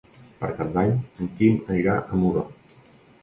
Per Cap d'Any en Quim anirà a Muro.